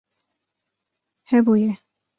Hebûye